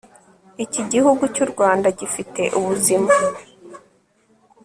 iki gihugu cy'u rwanda gifite ubuzima